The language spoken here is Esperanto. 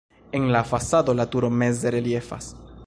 En la fasado la turo meze reliefas.